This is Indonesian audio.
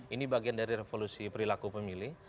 ini bagian dari revolusi perilaku pemilih